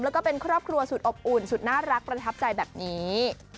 แล้วก็เป็นครอบครัวสุดอบอุ่นสุดน่ารักประทับใจแบบนี้